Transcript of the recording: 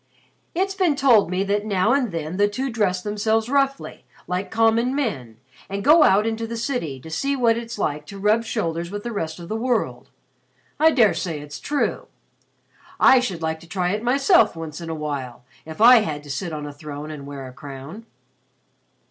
It's been told me that now and then the two dress themselves roughly, like common men, and go out into the city to see what it's like to rub shoulders with the rest of the world. I daresay it's true. I should like to try it myself once in a while, if I had to sit on a throne and wear a crown."